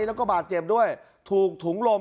แล้วก็บาดเจ็บด้วยถูกถุงลม